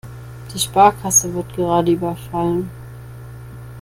Die Sparkasse wird gerade überfallen.